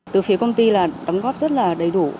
từ phía công ty là đóng góp rất là đầy đủ